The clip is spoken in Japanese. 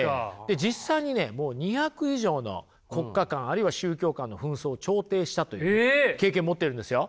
実際にねもう２００以上の国家間あるいは宗教間の紛争を調停したという経験持ってるんですよ。